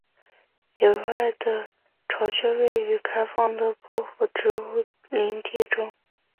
野外的巢穴位于开放的匍匐植物林地中。